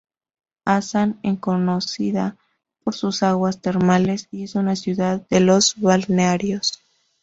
Asan es conocida por sus aguas termales y es una ciudad de los balnearios.